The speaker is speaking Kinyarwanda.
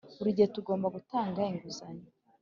buri gihe tugomba gutanga inguzanyo